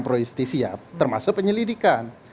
pro justisia termasuk penyelidikan